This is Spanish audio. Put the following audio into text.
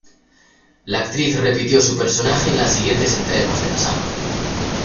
La actriz repitió su personaje en las siguientes entregas de la Saga.